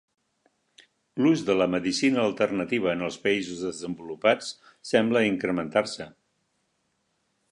L'ús de la medicina alternativa en els països desenvolupats sembla incrementar-se.